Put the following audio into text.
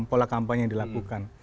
pola kampanye yang dilakukan